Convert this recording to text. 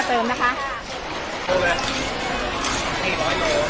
เสร็จกันแล้ว